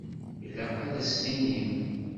Ilaq ad as-tinim.